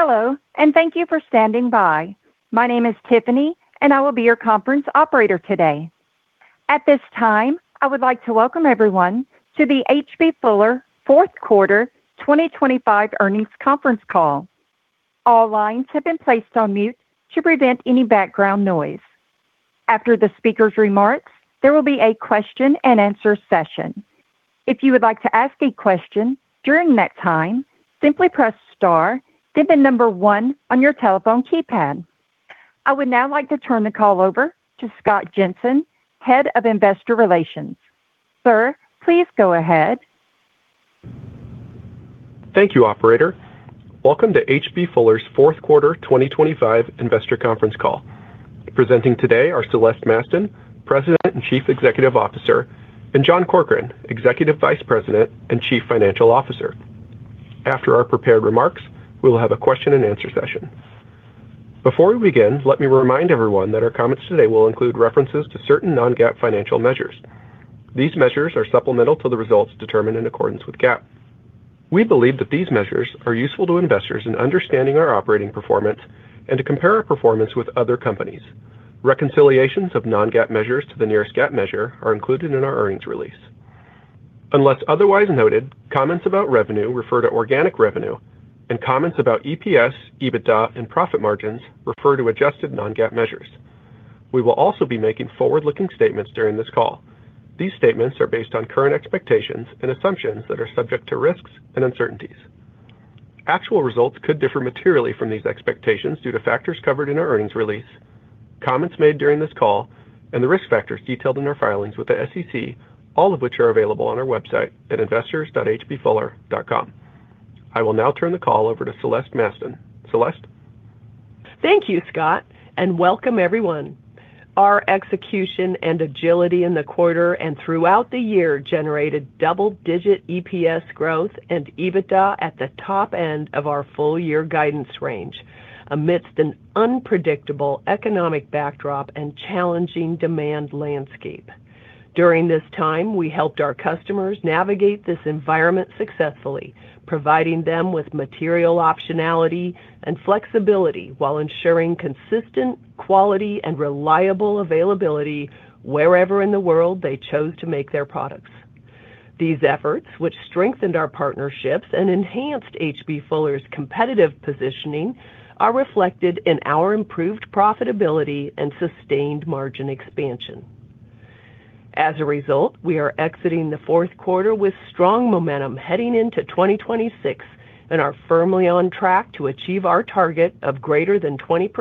Hello, and thank you for standing by. My name is Tiffany, and I will be your conference operator today. At this time, I would like to welcome everyone to the H.B. Fuller Fourth Quarter 2025 Earnings Conference Call. All lines have been placed on mute to prevent any background noise. After the speaker's remarks, there will be a question-and-answer session. If you would like to ask a question during that time, simply press star then the number one on your telephone keypad. I would now like to turn the call over to Scott Jensen, Head of Investor Relations. Sir, please go ahead. Thank you, Operator. Welcome to H.B. Fuller's Fourth Quarter 2025 investor conference call. Presenting today are Celeste Mastin, President and Chief Executive Officer, and John Corkrean, Executive Vice President and Chief Financial Officer. After our prepared remarks, we will have a question-and-answer session. Before we begin, let me remind everyone that our comments today will include references to certain non-GAAP financial measures. These measures are supplemental to the results determined in accordance with GAAP. We believe that these measures are useful to investors in understanding our operating performance and to compare our performance with other companies. Reconciliations of non-GAAP measures to the nearest GAAP measure are included in our earnings release. Unless otherwise noted, comments about revenue refer to organic revenue, and comments about EPS, EBITDA, and profit margins refer to adjusted non-GAAP measures. We will also be making forward-looking statements during this call. These statements are based on current expectations and assumptions that are subject to risks and uncertainties. Actual results could differ materially from these expectations due to factors covered in our earnings release, comments made during this call, and the risk factors detailed in our filings with the SEC, all of which are available on our website at investors.hbfuller.com. I will now turn the call over to Celeste Mastin. Celeste. Thank you, Scott, and welcome everyone. Our execution and agility in the quarter and throughout the year generated double-digit EPS growth and EBITDA at the top end of our full-year guidance range amidst an unpredictable economic backdrop and challenging demand landscape. During this time, we helped our customers navigate this environment successfully, providing them with material optionality and flexibility while ensuring consistent quality and reliable availability wherever in the world they chose to make their products. These efforts, which strengthened our partnerships and enhanced H.B. Fuller's competitive positioning, are reflected in our improved profitability and sustained margin expansion. As a result, we are exiting the fourth quarter with strong momentum heading into 2026 and are firmly on track to achieve our target of greater than 20%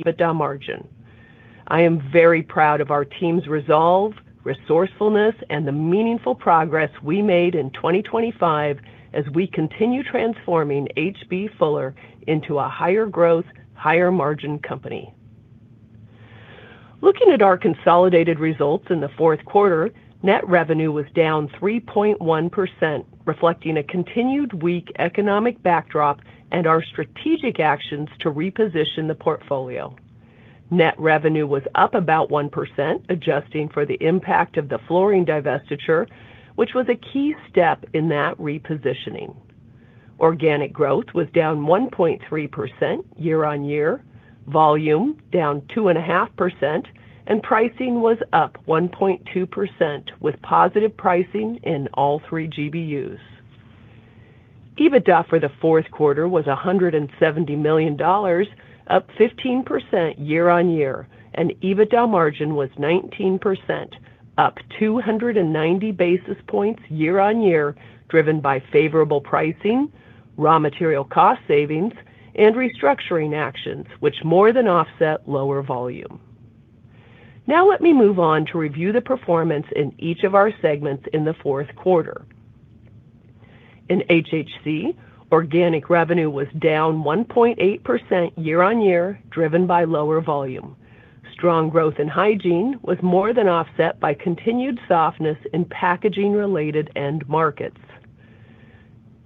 EBITDA margin. I am very proud of our team's resolve, resourcefulness, and the meaningful progress we made in 2025 as we continue transforming H.B. Fuller into a higher-growth, higher-margin company. Looking at our consolidated results in the fourth quarter, net revenue was down 3.1%, reflecting a continued weak economic backdrop and our strategic actions to reposition the portfolio. Net revenue was up about 1%, adjusting for the impact of the flooring divestiture, which was a key step in that repositioning. Organic growth was down 1.3% year-on-year, volume down 2.5%, and pricing was up 1.2% with positive pricing in all three GBUs. EBITDA for the fourth quarter was $170 million, up 15% year-on-year, and EBITDA margin was 19%, up 290 basis points year-on-year, driven by favorable pricing, raw material cost savings, and restructuring actions, which more than offset lower volume. Now let me move on to review the performance in each of our segments in the fourth quarter. In HHC, organic revenue was down 1.8% year-on-year, driven by lower volume. Strong growth in hygiene was more than offset by continued softness in packaging-related end markets.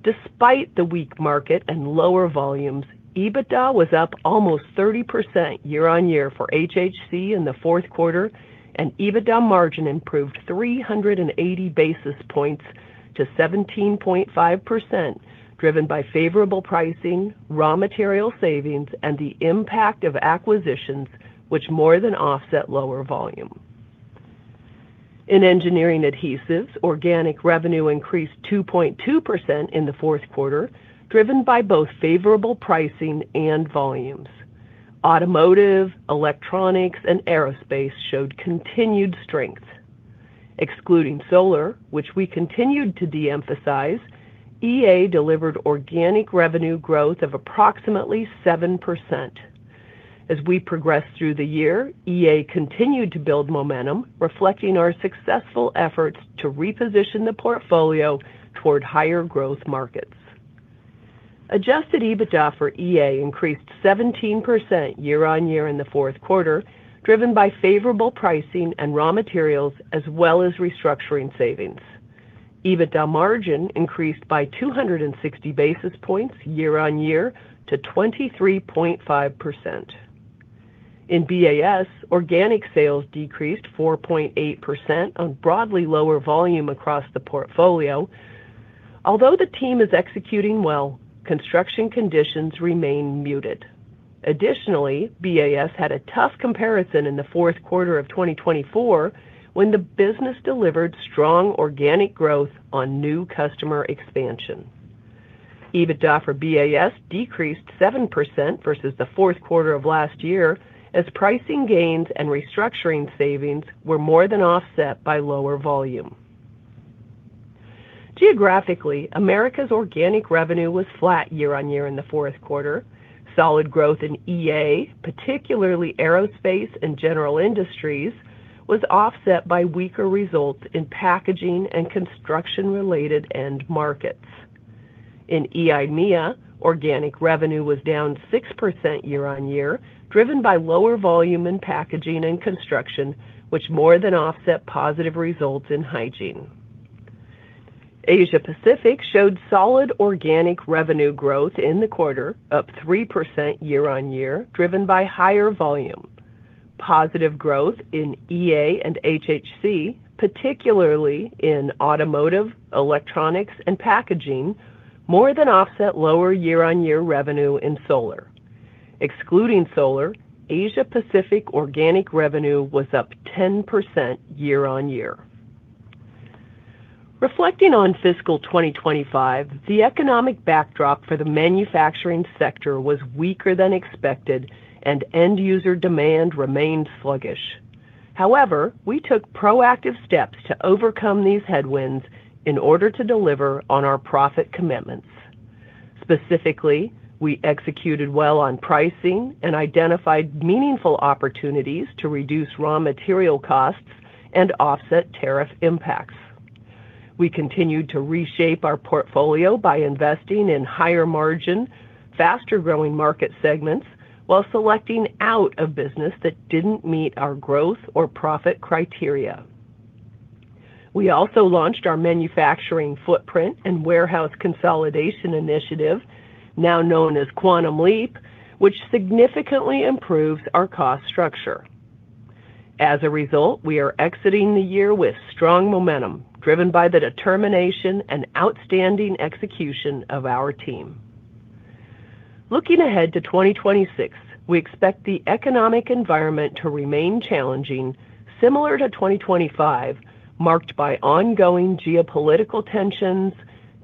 Despite the weak market and lower volumes, EBITDA was up almost 30% year-on-year for HHC in the fourth quarter, and EBITDA margin improved 380 basis points to 17.5%, driven by favorable pricing, raw material savings, and the impact of acquisitions, which more than offset lower volume. In engineering adhesives, organic revenue increased 2.2% in the fourth quarter, driven by both favorable pricing and volumes. Automotive, electronics, and aerospace showed continued strength. Excluding solar, which we continued to de-emphasize, EA delivered organic revenue growth of approximately 7%. As we progressed through the year, EA continued to build momentum, reflecting our successful efforts to reposition the portfolio toward higher growth markets. Adjusted EBITDA for EA increased 17% year-on-year in the fourth quarter, driven by favorable pricing and raw materials, as well as restructuring savings. EBITDA margin increased by 260 basis points year-on-year to 23.5%. In BAS, organic sales decreased 4.8% on broadly lower volume across the portfolio. Although the team is executing well, construction conditions remain muted. Additionally, BAS had a tough comparison in the fourth quarter of 2024 when the business delivered strong organic growth on new customer expansion. EBITDA for BAS decreased 7% versus the fourth quarter of last year as pricing gains and restructuring savings were more than offset by lower volume. Geographically, Americas organic revenue was flat year-on-year in the fourth quarter. Solid growth in EA, particularly aerospace and general industries, was offset by weaker results in packaging and construction-related end markets. In EIMEA, organic revenue was down 6% year-on-year, driven by lower volume in packaging and construction, which more than offset positive results in hygiene. Asia-Pacific showed solid organic revenue growth in the quarter, up 3% year-on-year, driven by higher volume. Positive growth in EA and HHC, particularly in automotive, electronics, and packaging, more than offset lower year-on-year revenue in solar. Excluding solar, Asia-Pacific organic revenue was up 10% year-on-year. Reflecting on fiscal 2025, the economic backdrop for the manufacturing sector was weaker than expected, and end-user demand remained sluggish. However, we took proactive steps to overcome these headwinds in order to deliver on our profit commitments. Specifically, we executed well on pricing and identified meaningful opportunities to reduce raw material costs and offset tariff impacts. We continued to reshape our portfolio by investing in higher-margin, faster-growing market segments while selecting out of business that didn't meet our growth or profit criteria. We also launched our manufacturing footprint and warehouse consolidation initiative, now known as Quantum Leap, which significantly improves our cost structure. As a result, we are exiting the year with strong momentum, driven by the determination and outstanding execution of our team. Looking ahead to 2026, we expect the economic environment to remain challenging, similar to 2025, marked by ongoing geopolitical tensions,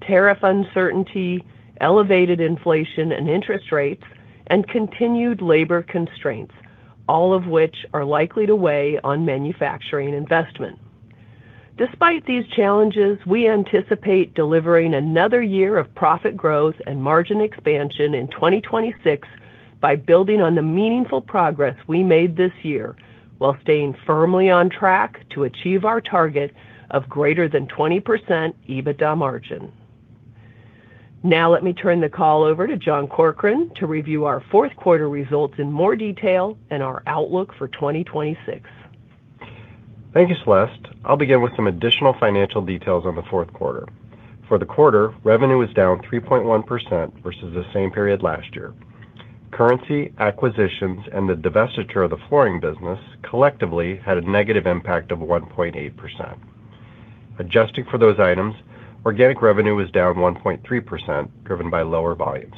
tariff uncertainty, elevated inflation and interest rates, and continued labor constraints, all of which are likely to weigh on manufacturing investment. Despite these challenges, we anticipate delivering another year of profit growth and margin expansion in 2026 by building on the meaningful progress we made this year while staying firmly on track to achieve our target of greater than 20% EBITDA margin. Now let me turn the call over to John Corkrean to review our fourth quarter results in more detail and our outlook for 2026. Thank you, Celeste. I'll begin with some additional financial details on the fourth quarter. For the quarter, revenue was down 3.1% versus the same period last year. Currency, acquisitions, and the divestiture of the flooring business collectively had a negative impact of 1.8%. Adjusting for those items, organic revenue was down 1.3%, driven by lower volumes.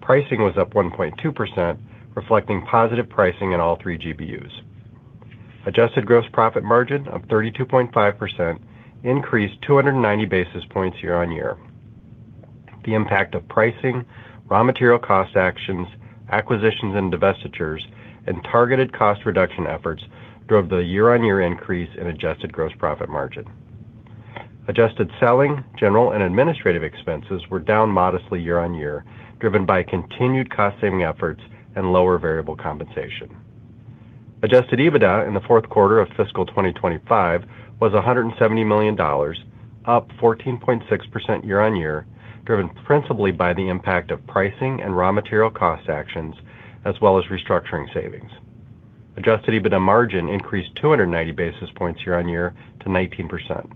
Pricing was up 1.2%, reflecting positive pricing in all three GBUs. Adjusted gross profit margin of 32.5% increased 290 basis points year-on-year. The impact of pricing, raw material cost actions, acquisitions and divestitures, and targeted cost reduction efforts drove the year-on-year increase in adjusted gross profit margin. Adjusted selling, general, and administrative expenses were down modestly year-on-year, driven by continued cost-saving efforts and lower variable compensation. Adjusted EBITDA in the fourth quarter of fiscal 2025 was $170 million, up 14.6% year-on-year, driven principally by the impact of pricing and raw material cost actions, as well as restructuring savings. Adjusted EBITDA margin increased 290 basis points year-on-year to 19%.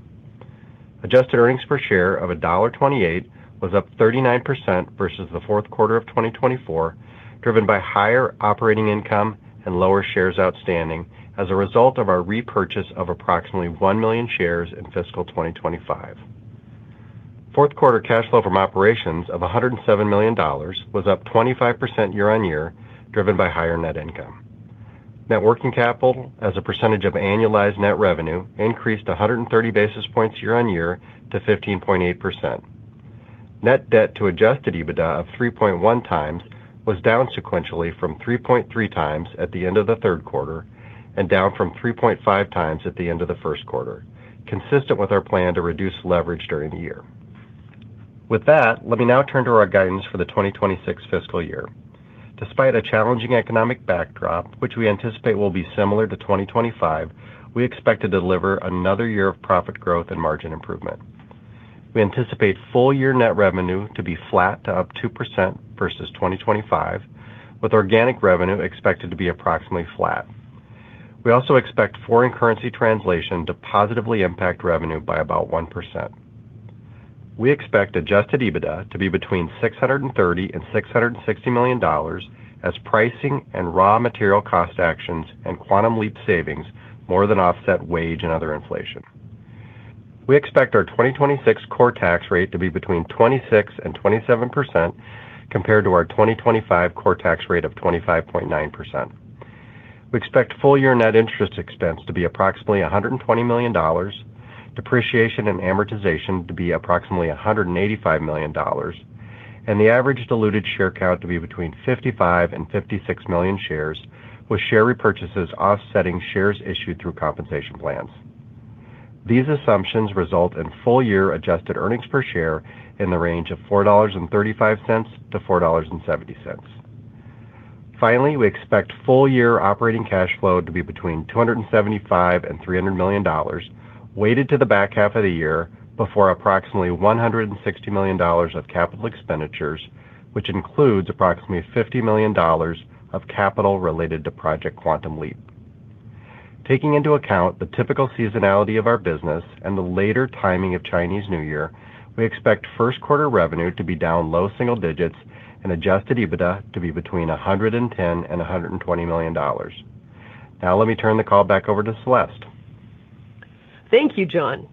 Adjusted earnings per share of $1.28 was up 39% versus the fourth quarter of 2024, driven by higher operating income and lower shares outstanding as a result of our repurchase of approximately one million shares in fiscal 2025. Fourth quarter cash flow from operations of $107 million was up 25% year-on-year, driven by higher net income. Net working capital, as a percentage of annualized net revenue, increased 130 basis points year-on-year to 15.8%. Net debt to Adjusted EBITDA of 3.1 times was down sequentially from 3.3 times at the end of the third quarter and down from 3.5 times at the end of the first quarter, consistent with our plan to reduce leverage during the year. With that, let me now turn to our guidance for the 2026 fiscal year. Despite a challenging economic backdrop, which we anticipate will be similar to 2025, we expect to deliver another year of profit growth and margin improvement. We anticipate full-year net revenue to be flat to up 2% versus 2025, with Organic Revenue expected to be approximately flat. We also expect Foreign Currency Translation to positively impact revenue by about 1%. We expect Adjusted EBITDA to be between $630-$660 million as pricing and raw material cost actions and Quantum Leap savings more than offset wage and other inflation. We expect our 2026 core tax rate to be between 26% and 27% compared to our 2025 core tax rate of 25.9%. We expect full-year net interest expense to be approximately $120 million, depreciation and amortization to be approximately $185 million, and the average diluted share count to be between 55 and 56 million shares, with share repurchases offsetting shares issued through compensation plans. These assumptions result in full-year adjusted earnings per share in the range of $4.35 to $4.70. Finally, we expect full-year operating cash flow to be between $275 and $300 million weighted to the back half of the year before approximately $160 million of capital expenditures, which includes approximately $50 million of capital related to Project Quantum Leap. Taking into account the typical seasonality of our business and the later timing of Chinese New Year, we expect first quarter revenue to be down low single digits and Adjusted EBITDA to be between $110 and $120 million. Now let me turn the call back over to Celeste. Thank you, John.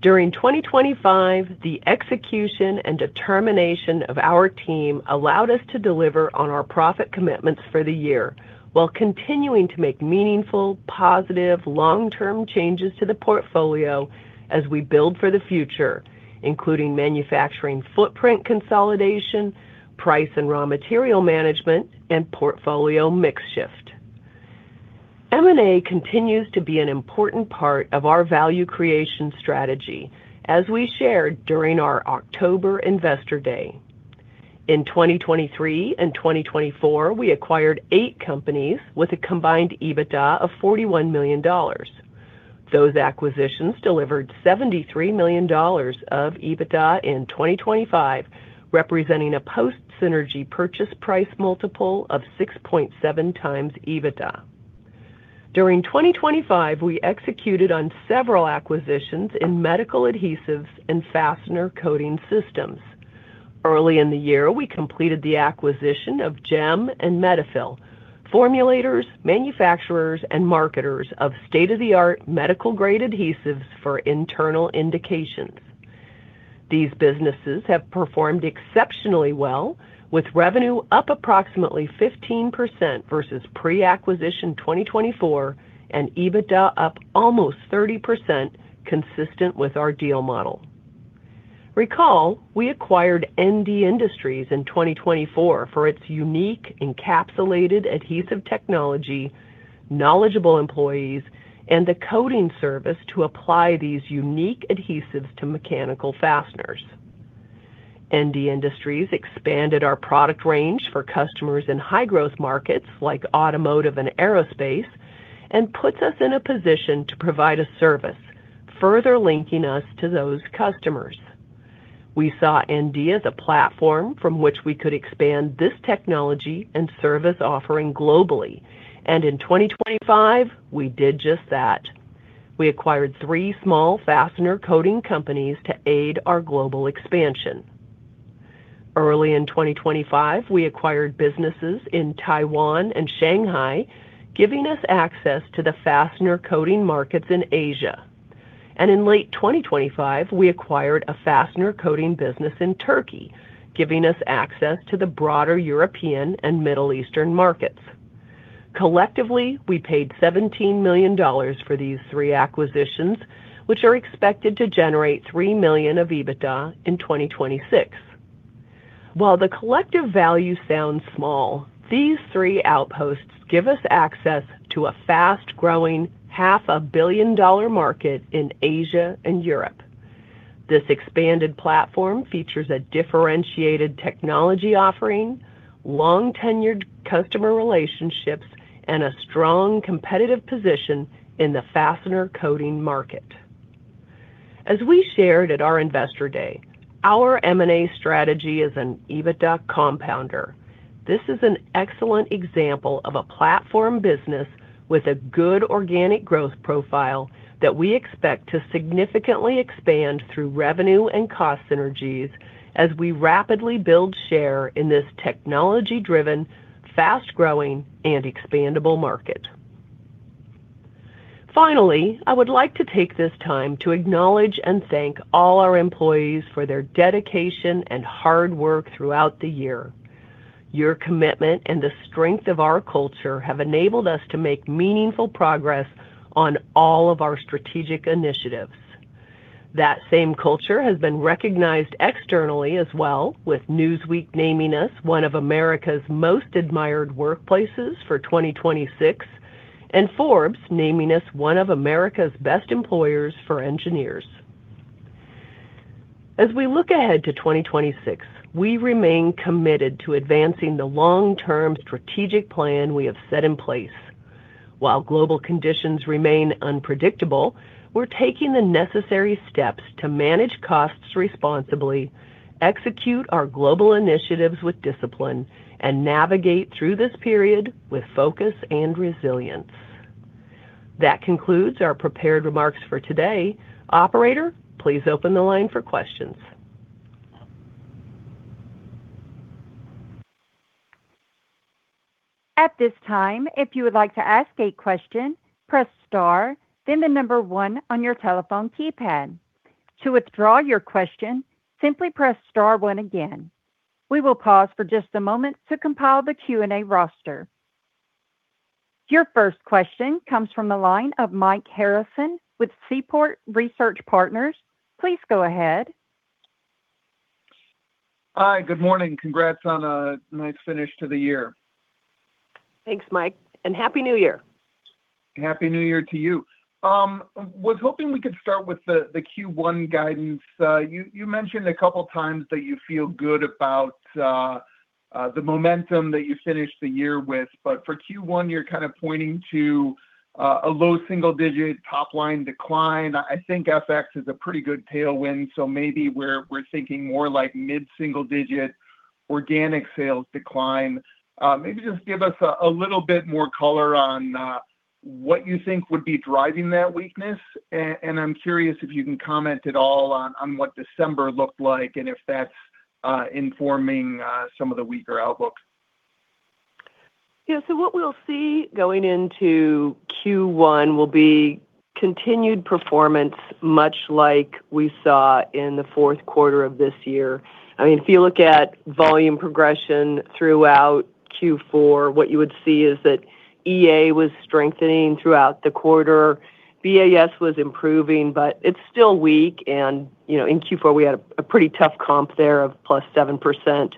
During 2025, the execution and determination of our team allowed us to deliver on our profit commitments for the year while continuing to make meaningful, positive, long-term changes to the portfolio as we build for the future, including manufacturing footprint consolidation, price and raw material management, and portfolio mix shift. M&A continues to be an important part of our value creation strategy, as we shared during our October Investor Day. In 2023 and 2024, we acquired eight companies with a combined EBITDA of $41 million. Those acquisitions delivered $73 million of EBITDA in 2025, representing a post-synergy purchase price multiple of 6.7 times EBITDA. During 2025, we executed on several acquisitions in medical adhesives and fastener coating systems. Early in the year, we completed the acquisition of GEM and Medifill, formulators, manufacturers, and marketers of state-of-the-art medical-grade adhesives for internal indications. These businesses have performed exceptionally well, with revenue up approximately 15% versus pre-acquisition 2024 and EBITDA up almost 30%, consistent with our deal model. Recall we acquired ND Industries in 2024 for its unique encapsulated adhesive technology, knowledgeable employees, and the coating service to apply these unique adhesives to mechanical fasteners. ND Industries expanded our product range for customers in high-growth markets like automotive and aerospace and puts us in a position to provide a service, further linking us to those customers. We saw ND as a platform from which we could expand this technology and service offering globally, and in 2025, we did just that. We acquired three small fastener coating companies to aid our global expansion. Early in 2025, we acquired businesses in Taiwan and Shanghai, giving us access to the fastener coating markets in Asia. In late 2025, we acquired a fastener coating business in Turkey, giving us access to the broader European and Middle Eastern markets. Collectively, we paid $17 million for these three acquisitions, which are expected to generate $3 million of EBITDA in 2026. While the collective value sounds small, these three outposts give us access to a fast-growing $500 million market in Asia and Europe. This expanded platform features a differentiated technology offering, long-tenured customer relationships, and a strong competitive position in the fastener coating market. As we shared at our Investor Day, our M&A strategy is an EBITDA compounder. This is an excellent example of a platform business with a good organic growth profile that we expect to significantly expand through revenue and cost synergies as we rapidly build share in this technology-driven, fast-growing, and expandable market. Finally, I would like to take this time to acknowledge and thank all our employees for their dedication and hard work throughout the year. Your commitment and the strength of our culture have enabled us to make meaningful progress on all of our strategic initiatives. That same culture has been recognized externally as well, with Newsweek naming us one of America's most admired workplaces for 2026 and Forbes naming us one of America's best employers for engineers. As we look ahead to 2026, we remain committed to advancing the long-term strategic plan we have set in place. While global conditions remain unpredictable, we're taking the necessary steps to manage costs responsibly, execute our global initiatives with discipline, and navigate through this period with focus and resilience. That concludes our prepared remarks for today. Operator, please open the line for questions. At this time, if you would like to ask a question, press star, then the number one on your telephone keypad. To withdraw your question, simply press star one again. We will pause for just a moment to compile the Q&A roster. Your first question comes from the line of Mike Harrison with Seaport Research Partners. Please go ahead. Hi, good morning. Congrats on a nice finish to the year. Thanks, Mike, and Happy New Year. Happy new year to you. I was hoping we could start with the Q1 guidance. You mentioned a couple of times that you feel good about the momentum that you finished the year with, but for Q1, you're kind of pointing to a low single-digit top-line decline. I think FX is a pretty good tailwind, so maybe we're thinking more like mid-single-digit organic sales decline. Maybe just give us a little bit more color on what you think would be driving that weakness, and I'm curious if you can comment at all on what December looked like and if that's informing some of the weaker outlook. Yeah, so what we'll see going into Q1 will be continued performance, much like we saw in the fourth quarter of this year. I mean, if you look at volume progression throughout Q4, what you would see is that EA was strengthening throughout the quarter. BAS was improving, but it's still weak, and in Q4, we had a pretty tough comp there of +7%.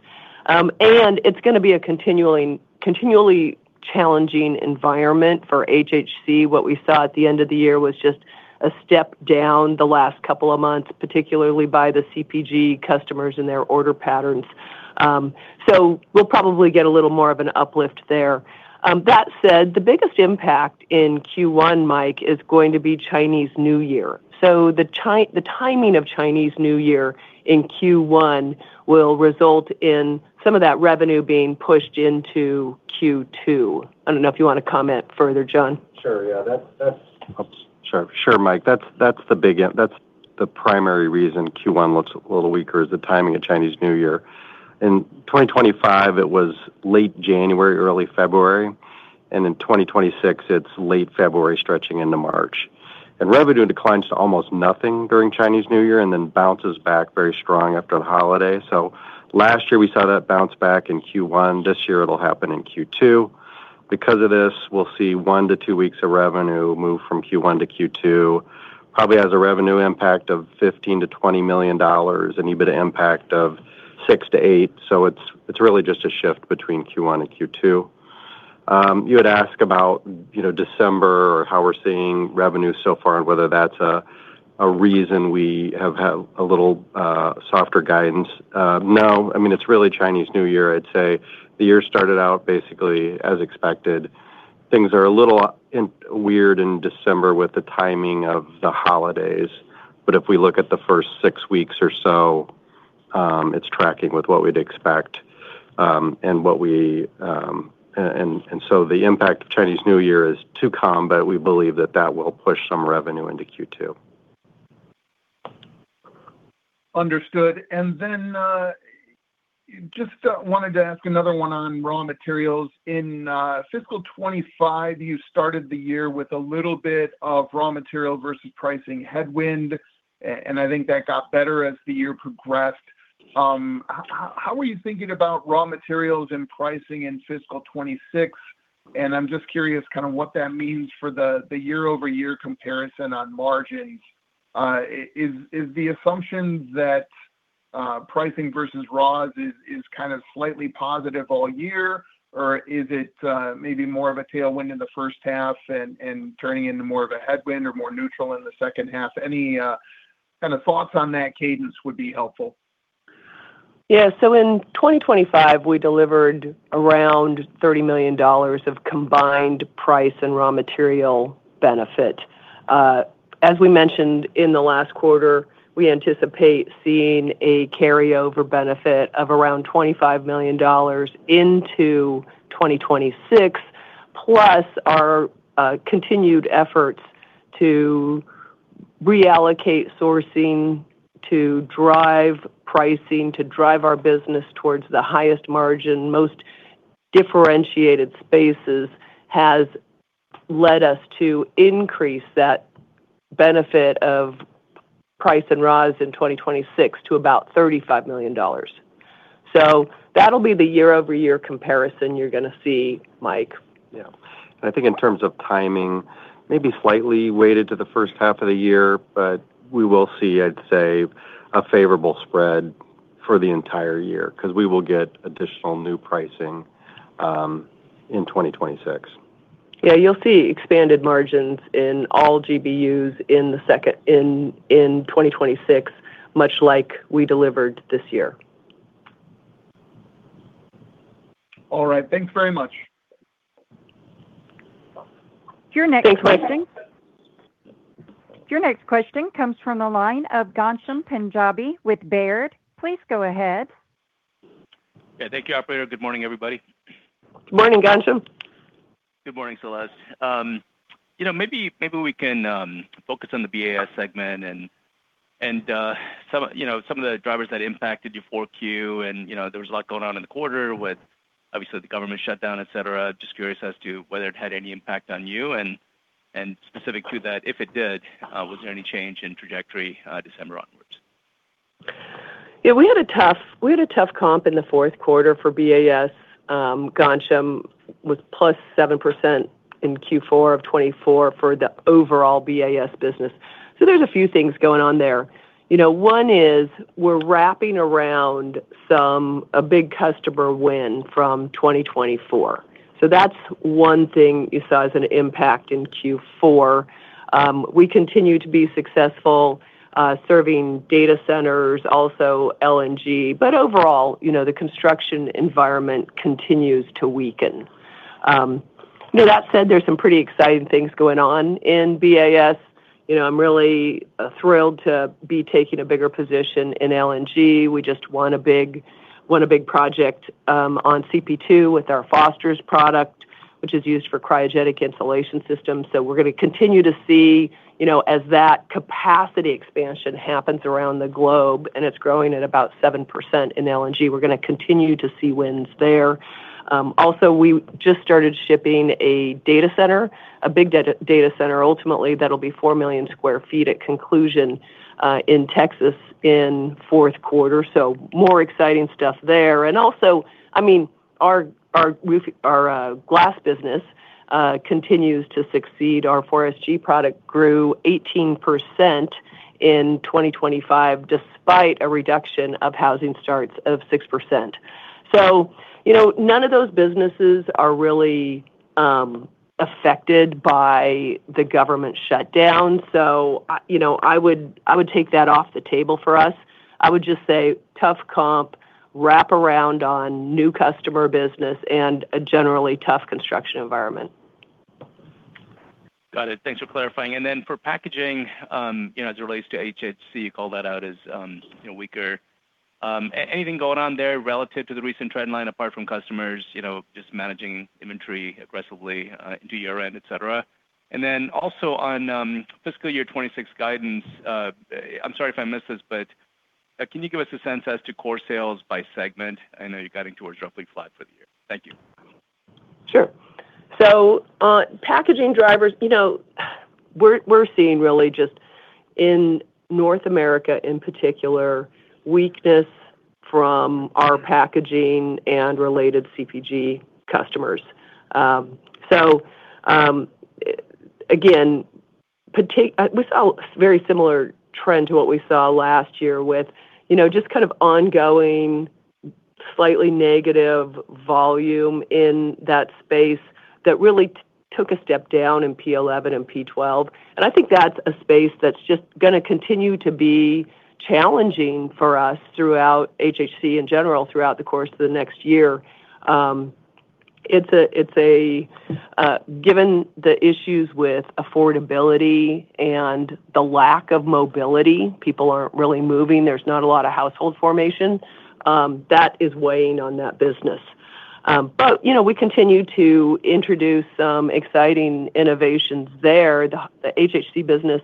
And it's going to be a continually challenging environment for HHC. What we saw at the end of the year was just a step down the last couple of months, particularly by the CPG customers and their order patterns. So we'll probably get a little more of an uplift there. That said, the biggest impact in Q1, Mike, is going to be Chinese New Year. So the timing of Chinese New Year in Q1 will result in some of that revenue being pushed into Q2. I don't know if you want to comment further, John. Sure, yeah. Sure, Mike. That's the primary reason Q1 looks a little weaker, is the timing of Chinese New Year. In 2025, it was late January, early February, and in 2026, it's late February, stretching into March. Revenue declines to almost nothing during Chinese New Year and then bounces back very strong after the holiday. So last year, we saw that bounce back in Q1. This year, it'll happen in Q2. Because of this, we'll see one to two weeks of revenue move from Q1 to Q2, probably has a revenue impact of $15-$20 million and EBITDA impact of 6-8. So it's really just a shift between Q1 and Q2. You had asked about December or how we're seeing revenue so far and whether that's a reason we have had a little softer guidance. No, I mean, it's really Chinese New Year, I'd say. The year started out basically as expected. Things are a little weird in December with the timing of the holidays, but if we look at the first six weeks or so, it's tracking with what we'd expect and what we and so the impact of Chinese New Year is to come, but we believe that that will push some revenue into Q2. Understood. And then just wanted to ask another one on raw materials. In fiscal 2025, you started the year with a little bit of raw material versus pricing headwind, and I think that got better as the year progressed. How are you thinking about raw materials and pricing in fiscal 2026? And I'm just curious kind of what that means for the year-over-year comparison on margins. Is the assumption that pricing versus raws is kind of slightly positive all year, or is it maybe more of a tailwind in the first half and turning into more of a headwind or more neutral in the second half? Any kind of thoughts on that cadence would be helpful. Yeah, so in 2025, we delivered around $30 million of combined price and raw material benefit. As we mentioned in the last quarter, we anticipate seeing a carryover benefit of around $25 million into 2026, plus our continued efforts to reallocate sourcing to drive pricing, to drive our business towards the highest margin, most differentiated spaces has led us to increase that benefit of price and raws in 2026 to about $35 million. So that'll be the year-over-year comparison you're going to see, Mike. Yeah. And I think in terms of timing, maybe slightly weighted to the first half of the year, but we will see, I'd say, a favorable spread for the entire year because we will get additional new pricing in 2026. Yeah, you'll see expanded margins in all GBUs in 2026, much like we delivered this year. All right, thanks very much. Your next question. Thanks, Mike. Your next question comes from the line of Ghansham Panjabi with Baird. Please go ahead. Yeah, thank you, Operator. Good morning, everybody. Good morning, Ghansham. Good morning, Celeste. Maybe we can focus on the BAS segment and some of the drivers that impacted your 4Q, and there was a lot going on in the quarter with, obviously, the government shutdown, etc. Just curious as to whether it had any impact on you, and specific to that, if it did, was there any change in trajectory December onwards? Yeah, we had a tough comp in the fourth quarter for BAS. Ghansham was plus 7% in Q4 of 2024 for the overall BAS business. So there's a few things going on there. One is we're wrapping around a big customer win from 2024. So that's one thing you saw as an impact in Q4. We continue to be successful serving data centers, also LNG, but overall, the construction environment continues to weaken. That said, there's some pretty exciting things going on in BAS. I'm really thrilled to be taking a bigger position in LNG. We just won a big project on CP2 with our Fosters product, which is used for cryogenic insulation systems. So we're going to continue to see, as that capacity expansion happens around the globe and it's growing at about 7% in LNG, we're going to continue to see wins there. Also, we just started shipping a data center, a big data center, ultimately, that'll be 4 million sq ft at conclusion in Texas in fourth quarter. So more exciting stuff there. And also, I mean, our glass business continues to succeed. Our 4SG product grew 18% in 2025 despite a reduction of housing starts of 6%. So none of those businesses are really affected by the government shutdown. So I would take that off the table for us. I would just say tough comp, wrap around on new customer business, and a generally tough construction environment. Got it. Thanks for clarifying. And then for packaging, as it relates to HHC, you called that out as weaker. Anything going on there relative to the recent trendline apart from customers just managing inventory aggressively into year-end, etc.? And then also on fiscal year 2026 guidance, I'm sorry if I missed this, but can you give us a sense as to core sales by segment? I know you're guiding towards roughly flat for the year. Thank you. Sure. So packaging drivers, we're seeing really just in North America in particular, weakness from our packaging and related CPG customers. So again, we saw a very similar trend to what we saw last year with just kind of ongoing slightly negative volume in that space that really took a step down in P11 and P12. And I think that's a space that's just going to continue to be challenging for us throughout HHC in general throughout the course of the next year. It's a given the issues with affordability and the lack of mobility, people aren't really moving, there's not a lot of household formation, that is weighing on that business. But we continue to introduce some exciting innovations there. The HHC business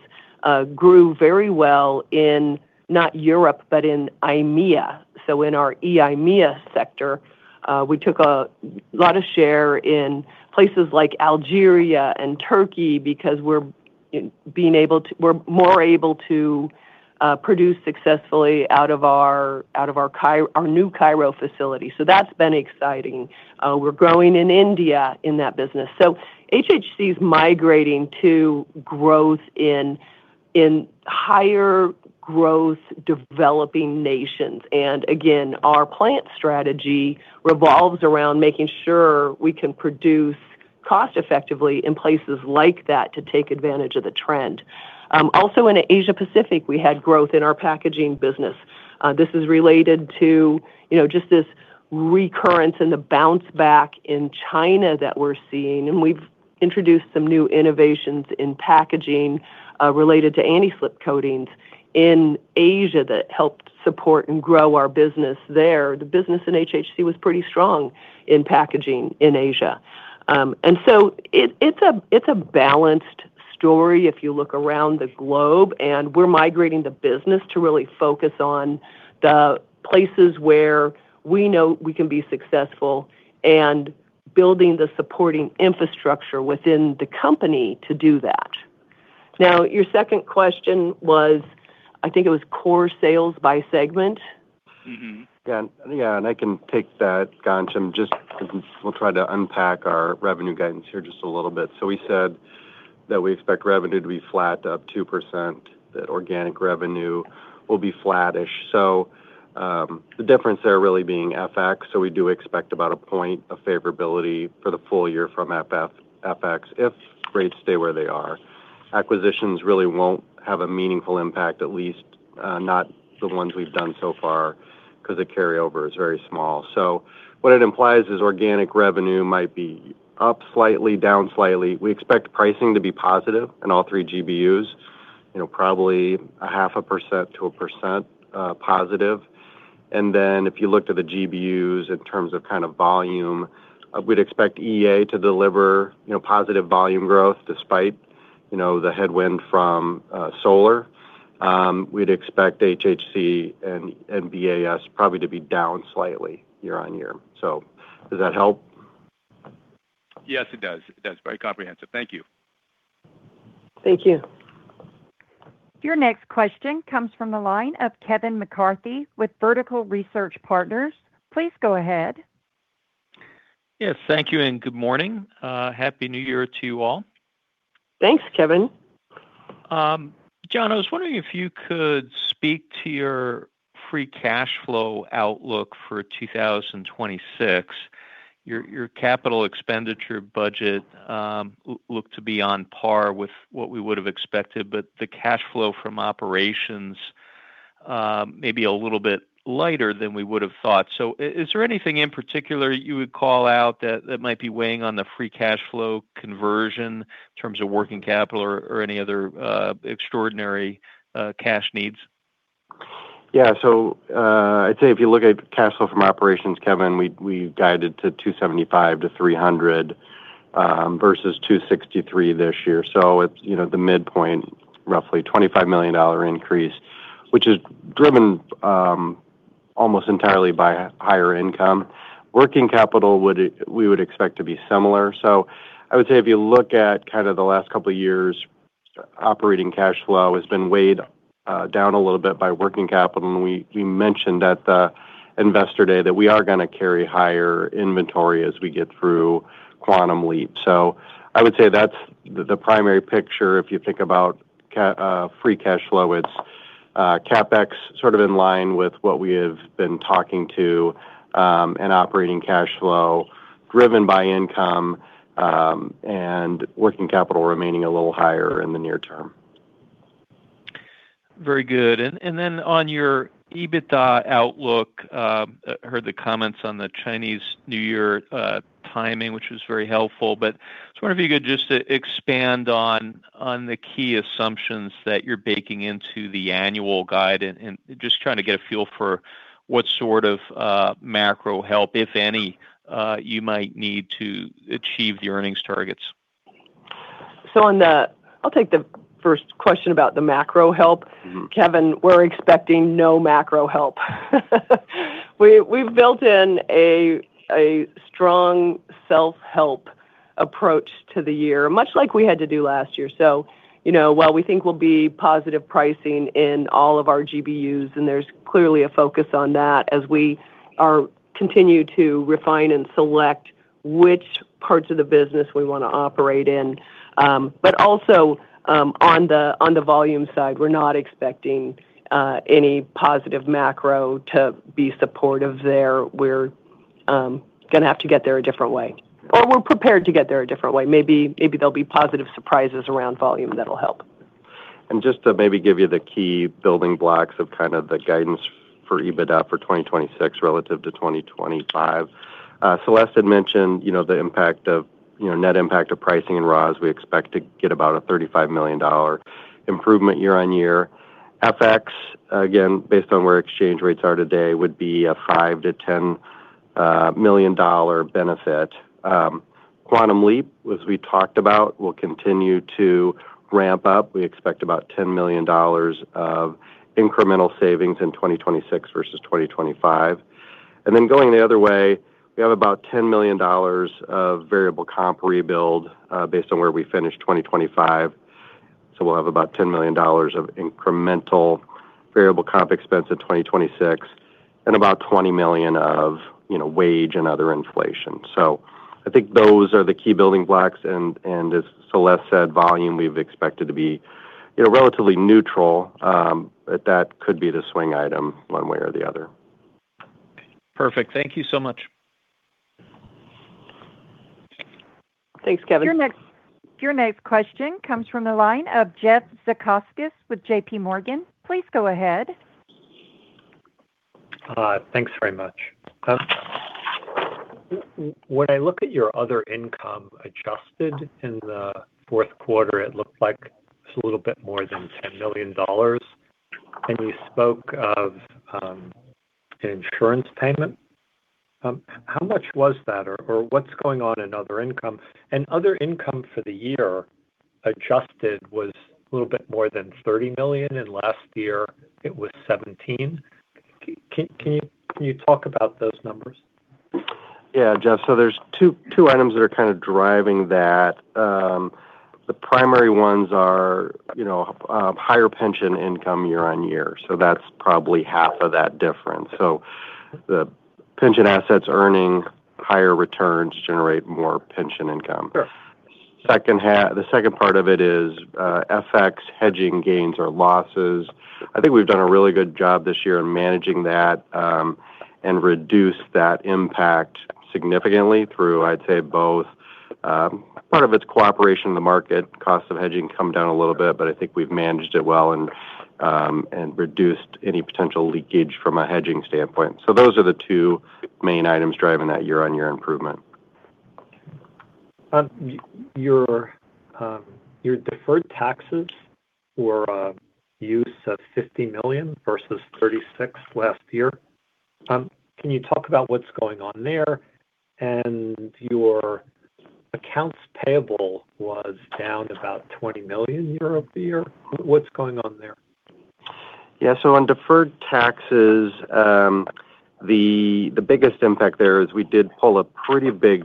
grew very well in not Europe, but in EIMEA. In our EIMEA sector, we took a lot of share in places like Algeria and Turkey because we're more able to produce successfully out of our new Cairo facility. That's been exciting. We're growing in India in that business. HHC is migrating to growth in higher growth developing nations. Our plant strategy revolves around making sure we can produce cost-effectively in places like that to take advantage of the trend. In Asia-Pacific, we had growth in our packaging business. This is related to just this recurrence in the bounce back in China that we're seeing. We've introduced some new innovations in packaging related to anti-slip coatings in Asia that helped support and grow our business there. The business in HHC was pretty strong in packaging in Asia. And so it's a balanced story if you look around the globe, and we're migrating the business to really focus on the places where we know we can be successful and building the supporting infrastructure within the company to do that. Now, your second question was, I think it was core sales by segment. Yeah, and I can take that, Ghansham, just because we'll try to unpack our revenue guidance here just a little bit. We said that we expect revenue to be flat up 2%, that organic revenue will be flattish. The difference there really being FX, so we do expect about a point of favorability for the full year from FX if rates stay where they are. Acquisitions really won't have a meaningful impact, at least not the ones we've done so far because the carryover is very small. What it implies is organic revenue might be up slightly, down slightly. We expect pricing to be positive in all three GBUs, probably 0.5% to 1% positive. If you look to the GBUs in terms of kind of volume, we'd expect EA to deliver positive volume growth despite the headwind from solar. We'd expect HHC and BAS probably to be down slightly year-on-year. So does that help? Yes, it does. It does. Very comprehensive. Thank you. Thank you. Your next question comes from the line of Kevin McCarthy with Vertical Research Partners. Please go ahead. Yes, thank you and good morning. Happy New Year to you all. Thanks, Kevin. John, I was wondering if you could speak to your free cash flow outlook for 2026. Your capital expenditure budget looked to be on par with what we would have expected, but the cash flow from operations may be a little bit lighter than we would have thought. So is there anything in particular you would call out that might be weighing on the free cash flow conversion in terms of working capital or any other extraordinary cash needs? Yeah, so I'd say if you look at cash flow from operations, Kevin, we guided to $275 million-$300 million versus $263 million this year. So it's the midpoint, roughly $25 million increase, which is driven almost entirely by higher income. Working capital, we would expect to be similar. So I would say if you look at kind of the last couple of years, operating cash flow has been weighed down a little bit by working capital. And we mentioned at the investor day that we are going to carry higher inventory as we get through Quantum Leap. So I would say that's the primary picture. If you think about free cash flow, it's CapEx sort of in line with what we have been talking to and operating cash flow driven by income and working capital remaining a little higher in the near term. Very good. And then on your EBITDA outlook, I heard the comments on the Chinese New Year timing, which was very helpful. But I was wondering if you could just expand on the key assumptions that you're baking into the annual guide and just trying to get a feel for what sort of macro help, if any, you might need to achieve the earnings targets. So I'll take the first question about the macro help. Kevin, we're expecting no macro help. We've built in a strong self-help approach to the year, much like we had to do last year. So while we think we'll be positive pricing in all of our GBUs, and there's clearly a focus on that as we continue to refine and select which parts of the business we want to operate in. But also on the volume side, we're not expecting any positive macro to be supportive there. We're going to have to get there a different way. Or we're prepared to get there a different way. Maybe there'll be positive surprises around volume that'll help. And just to maybe give you the key building blocks of kind of the guidance for EBITDA for 2026 relative to 2025. Celeste had mentioned the impact of net impact of pricing and ROS. We expect to get about a $35 million improvement year-on-year. FX, again, based on where exchange rates are today, would be a $5-$10 million benefit. Quantum Leap, as we talked about, will continue to ramp up. We expect about $10 million of incremental savings in 2026 versus 2025. And then going the other way, we have about $10 million of variable comp rebuild based on where we finish 2025. So we'll have about $10 million of incremental variable comp expense in 2026 and about $20 million of wage and other inflation. So I think those are the key building blocks. As Celeste said, volume, we've expected to be relatively neutral, but that could be the swing item one way or the other. Perfect. Thank you so much. Thanks, Kevin. Your next question comes from the line of Jeff Zekauskas with JPMorgan. Please go ahead. Thanks very much. When I look at your other income adjusted in the fourth quarter, it looked like it's a little bit more than $10 million, and you spoke of an insurance payment. How much was that, or what's going on in other income? And other income for the year adjusted was a little bit more than $30 million, and last year it was $17 million. Can you talk about those numbers? Yeah, Jeff. So there's two items that are kind of driving that. The primary ones are higher pension income year-on-year. So that's probably half of that difference. So the pension assets earning higher returns generate more pension income. The second part of it is FX hedging gains or losses. I think we've done a really good job this year in managing that and reduced that impact significantly through, I'd say, both part of it's cooperation in the market, cost of hedging come down a little bit, but I think we've managed it well and reduced any potential leakage from a hedging standpoint. So those are the two main items driving that year-on-year improvement. Your deferred taxes were a use of $50 million versus $36 million last year. Can you talk about what's going on there? And your accounts payable was down about $20 million year-over-year. What's going on there? Yeah, so on deferred taxes, the biggest impact there is we did pull a pretty big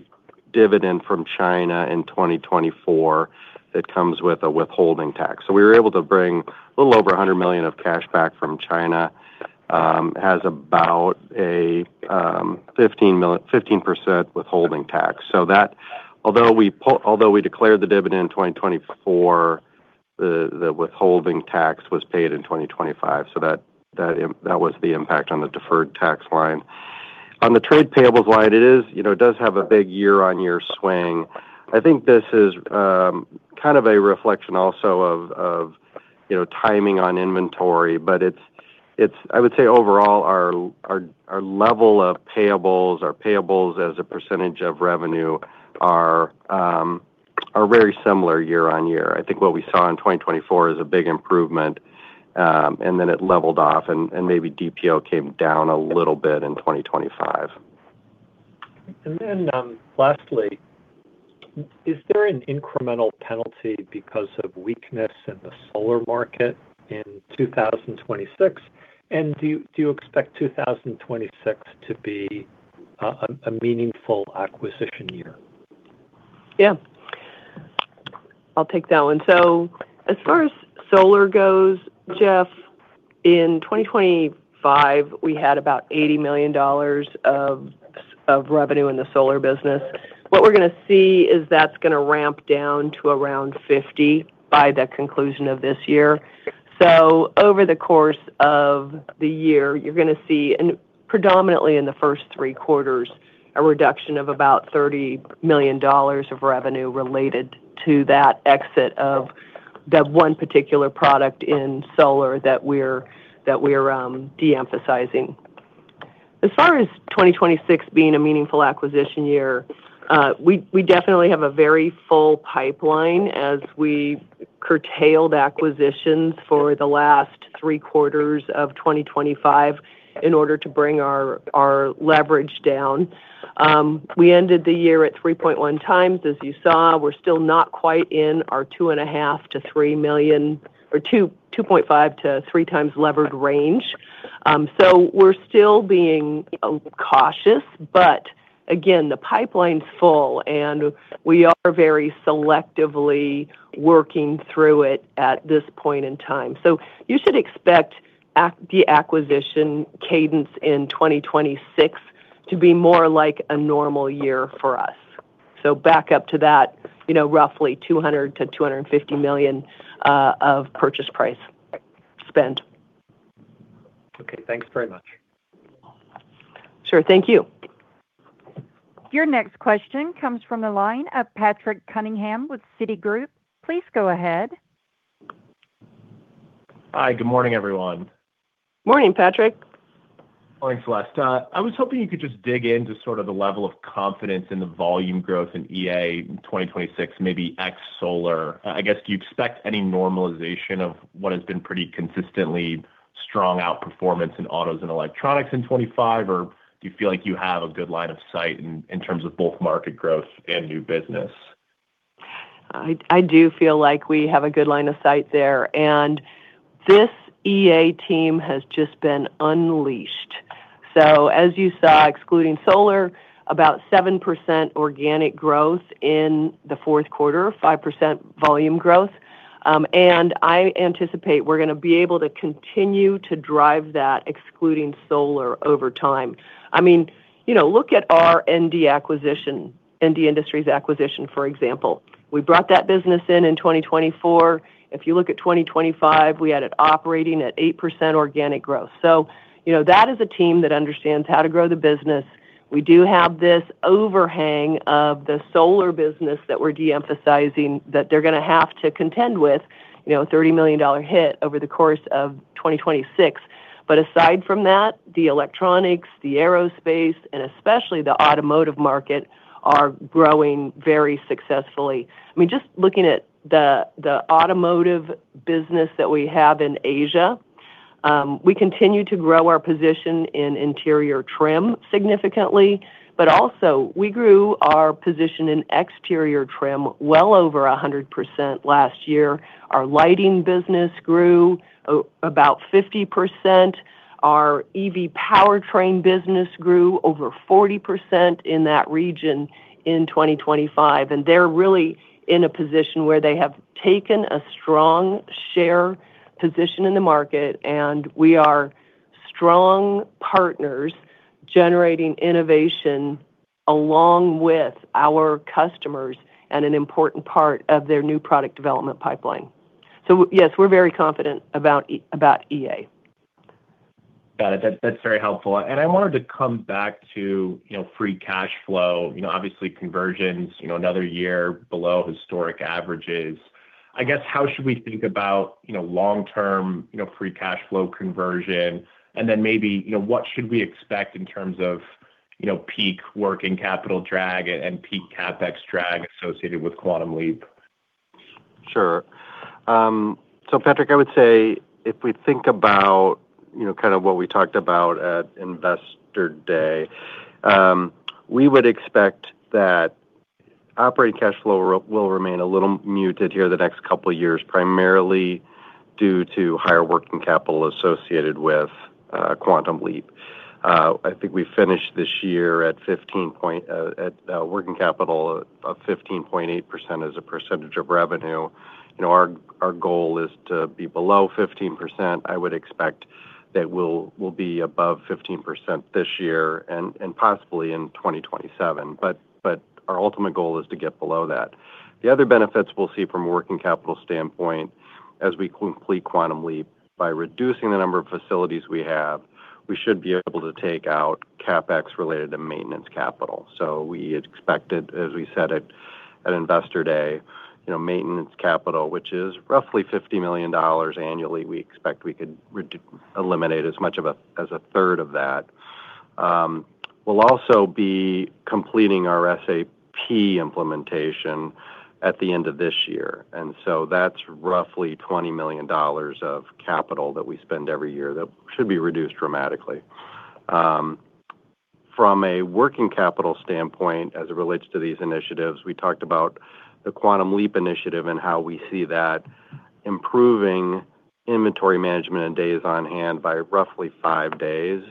dividend from China in 2024 that comes with a withholding tax. So we were able to bring a little over $100 million of cash back from China. It has about a 15% withholding tax. So although we declared the dividend in 2024, the withholding tax was paid in 2025. So that was the impact on the deferred tax line. On the trade payables line, it does have a big year-on-year swing. I think this is kind of a reflection also of timing on inventory. But I would say overall, our level of payables, our payables as a percentage of revenue are very similar year-on-year. I think what we saw in 2024 is a big improvement, and then it leveled off, and maybe DPO came down a little bit in 2025. And then lastly, is there an incremental penalty because of weakness in the solar market in 2026? And do you expect 2026 to be a meaningful acquisition year? Yeah. I'll take that one, so as far as Solar goes, Jeff, in 2025, we had about $80 million of revenue in the Solar business. What we're going to see is that's going to ramp down to around $50 million by the conclusion of this year, so over the course of the year, you're going to see, predominantly in the first three quarters, a reduction of about $30 million of revenue related to that exit of the one particular product in Solar that we're de-emphasizing. As far as 2026 being a meaningful acquisition year, we definitely have a very full pipeline as we curtailed acquisitions for the last three quarters of 2025 in order to bring our leverage down. We ended the year at 3.1 times, as you saw. We're still not quite in our 2.5-3 times or 2.5-3 times levered range, so we're still being cautious. But again, the pipeline's full, and we are very selectively working through it at this point in time. So you should expect the acquisition cadence in 2026 to be more like a normal year for us. So back up to that roughly $200-$250 million of purchase price spend. Okay. Thanks very much. Sure. Thank you. Your next question comes from the line of Patrick Cunningham with Citigroup. Please go ahead. Hi. Good morning, everyone. Morning, Patrick. Morning, Celeste. I was hoping you could just dig into sort of the level of confidence in the volume growth in EA in 2026, maybe ex-solar. I guess, do you expect any normalization of what has been pretty consistently strong outperformance in autos and electronics in 2025, or do you feel like you have a good line of sight in terms of both market growth and new business? I do feel like we have a good line of sight there. This EA team has just been unleashed. As you saw, excluding solar, about 7% organic growth in the fourth quarter, 5% volume growth. I anticipate we're going to be able to continue to drive that, excluding solar, over time. I mean, look at our ND Industries acquisition, for example. We brought that business in in 2024. If you look at 2025, we had it operating at 8% organic growth. That is a team that understands how to grow the business. We do have this overhang of the solar business that we're de-emphasizing that they're going to have to contend with a $30 million hit over the course of 2026. Aside from that, the electronics, the aerospace, and especially the automotive market are growing very successfully. I mean, just looking at the automotive business that we have in Asia, we continue to grow our position in interior trim significantly. But also, we grew our position in exterior trim well over 100% last year. Our lighting business grew about 50%. Our EV powertrain business grew over 40% in that region in 2025. And they're really in a position where they have taken a strong share position in the market. And we are strong partners generating innovation along with our customers and an important part of their new product development pipeline. So yes, we're very confident about EA. Got it. That's very helpful. And I wanted to come back to free cash flow. Obviously, conversions, another year below historic averages. I guess, how should we think about long-term free cash flow conversion? And then maybe what should we expect in terms of peak working capital drag and peak CapEx drag associated with Quantum Leap? Sure. So Patrick, I would say if we think about kind of what we talked about at investor day, we would expect that operating cash flow will remain a little muted here the next couple of years, primarily due to higher working capital associated with Quantum Leap. I think we finished this year at working capital of 15.8% as a percentage of revenue. Our goal is to be below 15%. I would expect that we'll be above 15% this year and possibly in 2027. But our ultimate goal is to get below that. The other benefits we'll see from a working capital standpoint, as we complete Quantum Leap, by reducing the number of facilities we have, we should be able to take out CapEx related to maintenance capital. So we expected, as we said at investor day, maintenance capital, which is roughly $50 million annually. We expect we could eliminate as much as a third of that. We'll also be completing our SAP implementation at the end of this year, and so that's roughly $20 million of capital that we spend every year that should be reduced dramatically. From a working capital standpoint, as it relates to these initiatives, we talked about the Quantum Leap initiative and how we see that improving inventory management and days on hand by roughly five days,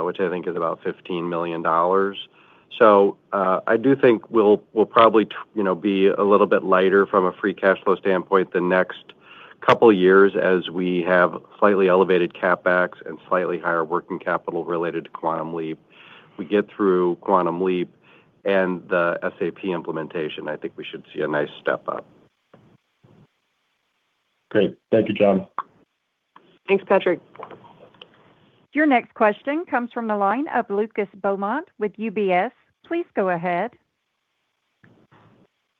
which I think is about $15 million, so I do think we'll probably be a little bit lighter from a free cash flow standpoint the next couple of years as we have slightly elevated CapEx and slightly higher working capital related to Quantum Leap. We get through Quantum Leap and the SAP implementation, I think we should see a nice step up. Great. Thank you, John. Thanks, Patrick. Your next question comes from the line of Lucas Beaumont with UBS. Please go ahead.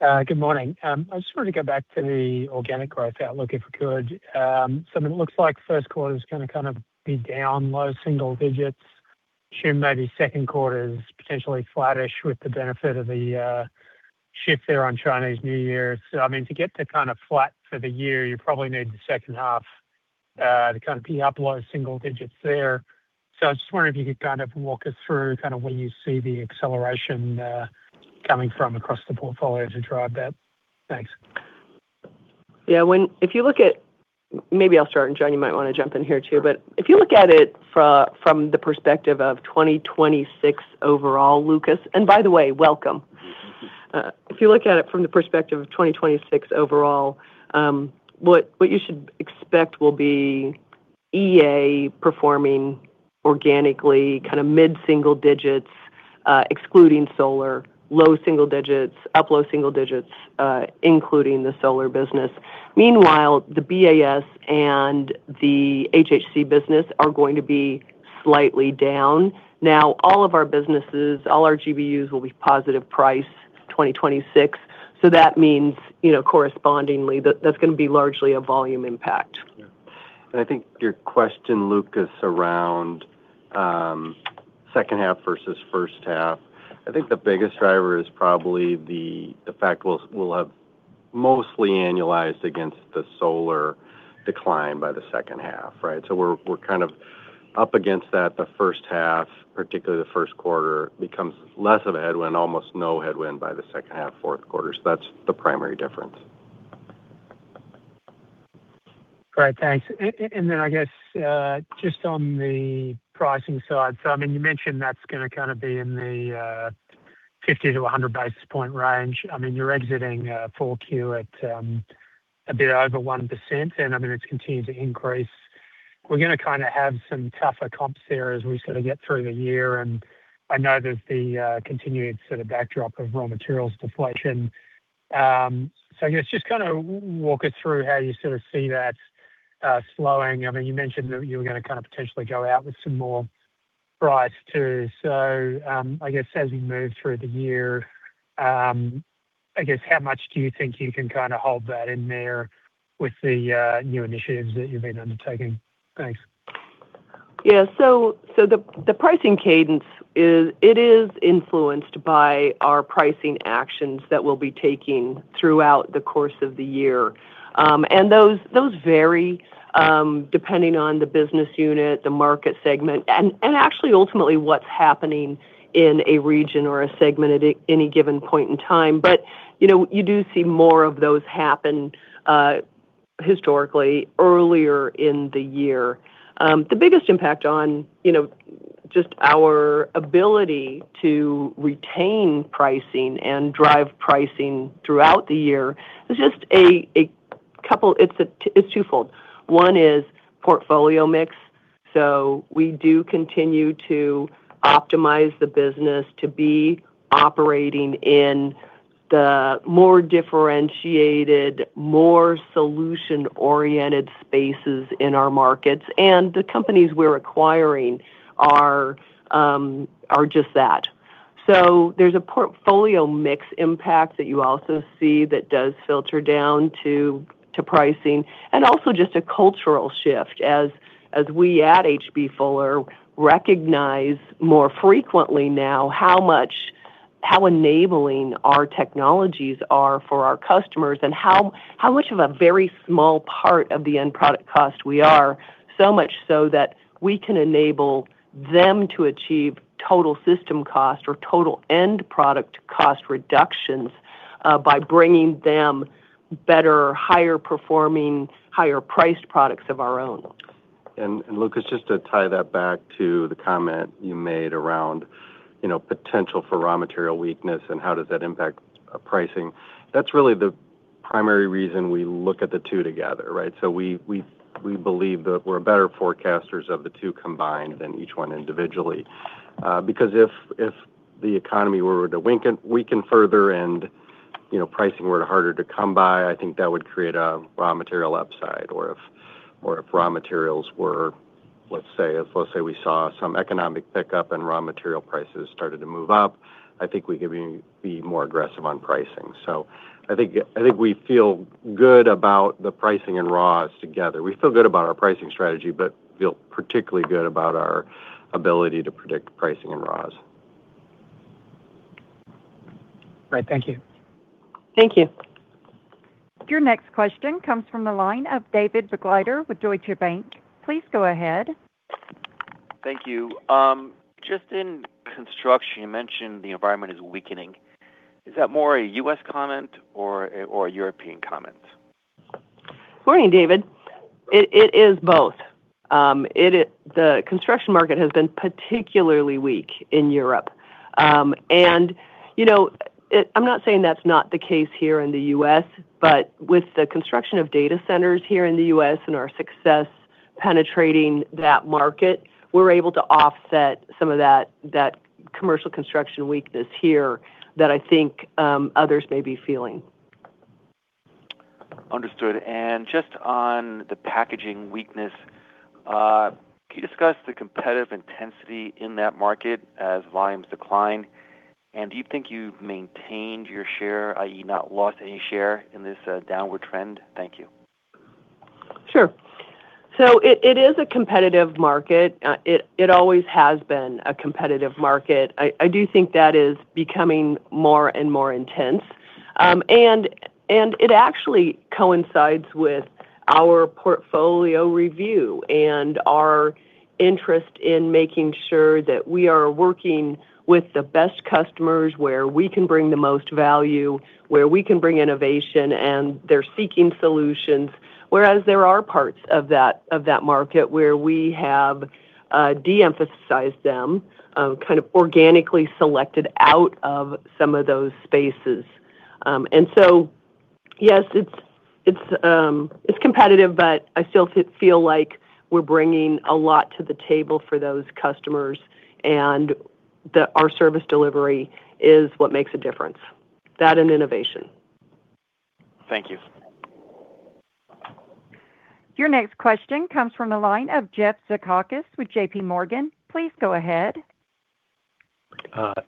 Good morning. I just wanted to go back to the organic growth outlook if we could. So it looks like first quarter is going to kind of be down low single digits. Assume maybe second quarter is potentially flattish with the benefit of the shift there on Chinese New Year's. I mean, to get to kind of flat for the year, you probably need the second half to kind of be up low single digits there. So I was just wondering if you could kind of walk us through kind of where you see the acceleration coming from across the portfolio to drive that. Thanks. Yeah. If you look at, maybe I'll start, and John, you might want to jump in here too. But if you look at it from the perspective of 2026 overall, Lucas, and by the way, welcome. If you look at it from the perspective of 2026 overall, what you should expect will be EA performing organically, kind of mid-single digits, excluding solar, low single digits, up low single digits, including the solar business. Meanwhile, the BAS and the HHC business are going to be slightly down. Now, all of our businesses, all our GBUs will be positive price 2026. So that means correspondingly, that's going to be largely a volume impact. I think your question, Lucas, around second half versus first half. I think the biggest driver is probably the fact we'll have mostly annualized against the solar decline by the second half, right? So we're kind of up against that. The first half, particularly the first quarter, becomes less of a headwind, almost no headwind by the second half, fourth quarter. So that's the primary difference. Great. Thanks. Then I guess just on the pricing side, so I mean, you mentioned that's going to kind of be in the 50-100 basis points range. I mean, you're exiting 4Q at a bit over 1%. And I mean, it's continued to increase. We're going to kind of have some tougher comps there as we sort of get through the year. And I know there's the continued sort of backdrop of raw materials deflation. So I guess just kind of walk us through how you sort of see that slowing. I mean, you mentioned that you were going to kind of potentially go out with some more price too. So I guess as we move through the year, I guess how much do you think you can kind of hold that in there with the new initiatives that you've been undertaking? Thanks. Yeah. So the pricing cadence, it is influenced by our pricing actions that we'll be taking throughout the course of the year. And those vary depending on the business unit, the market segment, and actually ultimately what's happening in a region or a segment at any given point in time. But you do see more of those happen historically earlier in the year. The biggest impact on just our ability to retain pricing and drive pricing throughout the year is just a couple. It's twofold. One is portfolio mix. So we do continue to optimize the business to be operating in the more differentiated, more solution-oriented spaces in our markets. And the companies we're acquiring are just that. There's a portfolio mix impact that you also see that does filter down to pricing and also just a cultural shift as we at H.B. Fuller recognize more frequently now how enabling our technologies are for our customers and how much of a very small part of the end product cost we are, so much so that we can enable them to achieve total system cost or total end product cost reductions by bringing them better, higher performing, higher priced products of our own. Lucas, just to tie that back to the comment you made around potential for raw material weakness and how does that impact pricing, that's really the primary reason we look at the two together, right? So we believe that we're better forecasters of the two combined than each one individually. Because if the economy were to weaken further and pricing were harder to come by, I think that would create a raw material upside. Or if raw materials were, let's say, we saw some economic pickup and raw material prices started to move up, I think we could be more aggressive on pricing. So I think we feel good about the pricing and raws together. We feel good about our pricing strategy, but feel particularly good about our ability to predict pricing and raws. Great. Thank you. Thank you. Your next question comes from the line of David Begleiter with Deutsche Bank. Please go ahead. Thank you. Just in construction, you mentioned the environment is weakening. Is that more a U.S. comment or a European comment? Morning, David. It is both. The construction market has been particularly weak in Europe. And I'm not saying that's not the case here in the U.S., but with the construction of data centers here in the U.S. and our success penetrating that market, we're able to offset some of that commercial construction weakness here that I think others may be feeling. Understood. And just on the packaging weakness, can you discuss the competitive intensity in that market as volumes decline? And do you think you've maintained your share, i.e., not lost any share in this downward trend? Thank you. Sure. So it is a competitive market. It always has been a competitive market. I do think that is becoming more and more intense. And it actually coincides with our portfolio review and our interest in making sure that we are working with the best customers where we can bring the most value, where we can bring innovation, and they're seeking solutions. Whereas there are parts of that market where we have de-emphasized them, kind of organically selected out of some of those spaces. And so yes, it's competitive, but I still feel like we're bringing a lot to the table for those customers. And our service delivery is what makes a difference. That and innovation. Thank you. Your next question comes from the line of Jeff Zekauskas with JPMorgan. Please go ahead.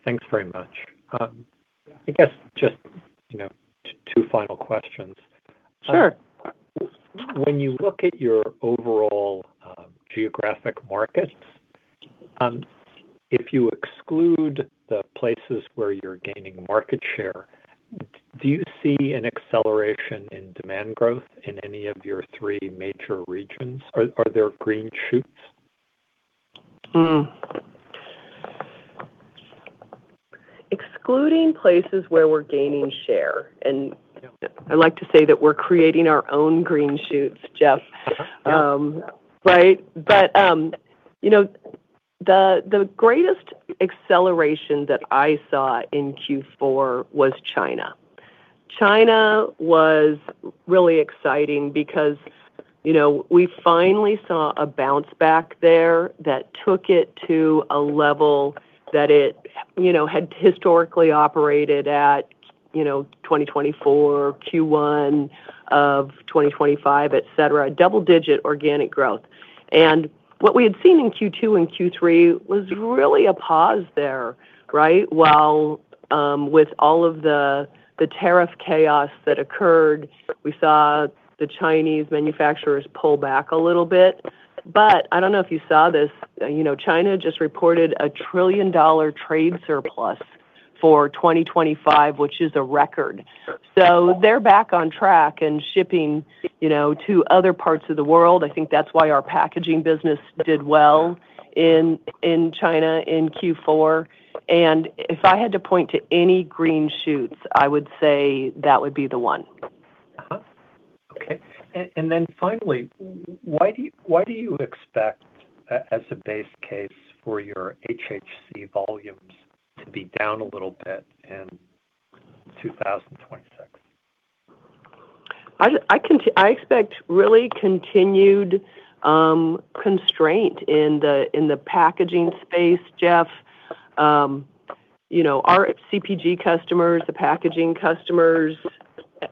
Thanks very much. I guess just two final questions. Sure. When you look at your overall geographic markets, if you exclude the places where you're gaining market share, do you see an acceleration in demand growth in any of your three major regions? Are there green shoots? Excluding places where we're gaining share, and I like to say that we're creating our own green shoots, Jeff, right, but the greatest acceleration that I saw in Q4 was China. China was really exciting because we finally saw a bounce back there that took it to a level that it had historically operated at 2024, Q1 of 2025, etc., double-digit organic growth, and what we had seen in Q2 and Q3 was really a pause there, right, well, with all of the tariff chaos that occurred, we saw the Chinese manufacturers pull back a little bit, but I don't know if you saw this. China just reported a $1 trillion trade surplus for 2025, which is a record, so they're back on track and shipping to other parts of the world. I think that's why our packaging business did well in China in Q4. If I had to point to any green shoots, I would say that would be the one. Okay, and then finally, why do you expect as a base case for your HHC volumes to be down a little bit in 2026? I expect really continued constraint in the packaging space, Jeff. Our CPG customers, the packaging customers,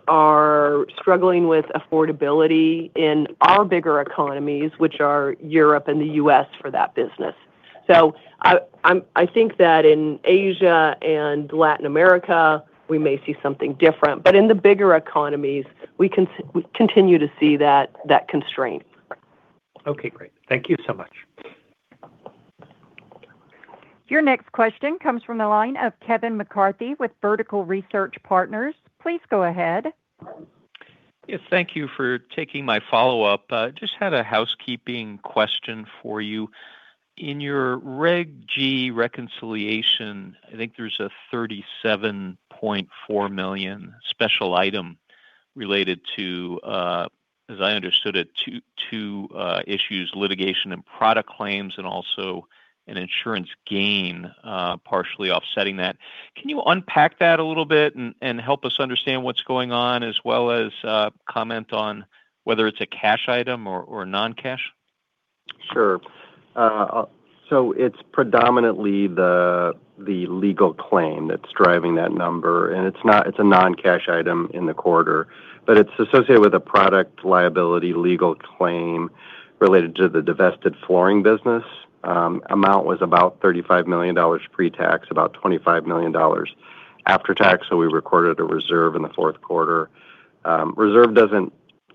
are struggling with affordability in our bigger economies, which are Europe and the U.S. for that business. So I think that in Asia and Latin America, we may see something different. But in the bigger economies, we continue to see that constraint. Okay. Great. Thank you so much. Your next question comes from the line of Kevin McCarthy with Vertical Research Partners. Please go ahead. Yes. Thank you for taking my follow-up. Just had a housekeeping question for you. In your Reg G reconciliation, I think there's a $37.4 million special item related to, as I understood it, two issues, litigation and product claims, and also an insurance gain partially offsetting that. Can you unpack that a little bit and help us understand what's going on, as well as comment on whether it's a cash item or non-cash? Sure. So it's predominantly the legal claim that's driving that number. And it's a non-cash item in the quarter. But it's associated with a product liability legal claim related to the divested flooring business. Amount was about $35 million pre-tax, about $25 million after-tax. So we recorded a reserve in the fourth quarter. Reserve doesn't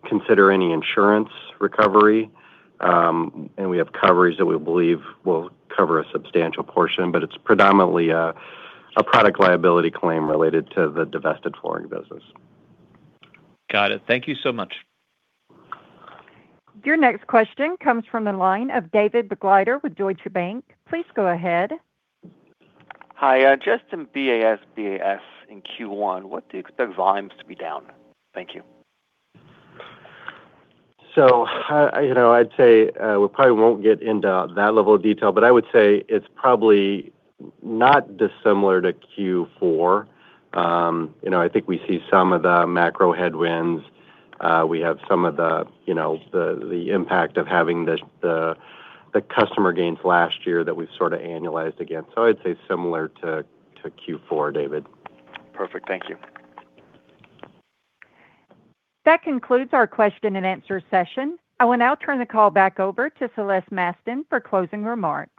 consider any insurance recovery. And we have coverage that we believe will cover a substantial portion. But it's predominantly a product liability claim related to the divested flooring business. Got it. Thank you so much. Your next question comes from the line of David Begleiter with Deutsche Bank. Please go ahead. Hi. Just in BAS, BAS in Q1, what do you expect volumes to be down? Thank you. So I'd say we probably won't get into that level of detail. But I would say it's probably not dissimilar to Q4. I think we see some of the macro headwinds. We have some of the impact of having the customer gains last year that we've sort of annualized again. So I'd say similar to Q4, David. Perfect. Thank you. That concludes our question and answer session. I will now turn the call back over to Celeste Mastin for closing remarks.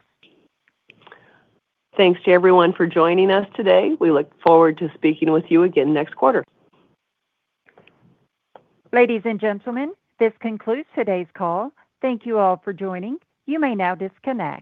Thanks to everyone for joining us today. We look forward to speaking with you again next quarter. Ladies and gentlemen, this concludes today's call. Thank you all for joining. You may now disconnect.